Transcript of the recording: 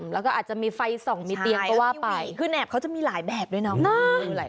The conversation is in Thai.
แล้วก็อาจจะมีไฟรองรุปเตียงน้อยก็คือแนบมีหลายแบบด้วยนะห่าว